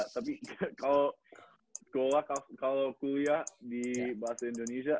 tapi kalau sekolah kalau kuliah di bahasa indonesia